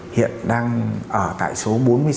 hiện đang ở tại số bốn mươi sáu